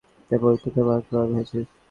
পবিত্রা, তোর বাবা-মায়ের কথা ভেবেছিস?